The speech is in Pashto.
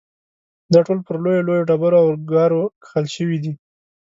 دا ټول پر لویو لویو ډبرو او ګارو کښل شوي دي.